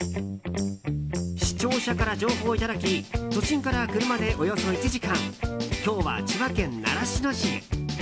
視聴者から情報をいただき都心から車でおよそ１時間今日は千葉県習志野市へ。